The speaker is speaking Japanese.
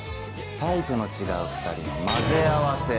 タイプの違う２人の混ぜ合わせ。